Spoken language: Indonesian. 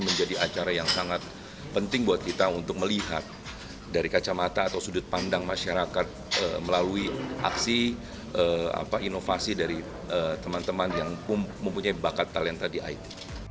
menjadi acara yang sangat penting buat kita untuk melihat dari kacamata atau sudut pandang masyarakat melalui aksi inovasi dari teman teman yang mempunyai bakat talenta di it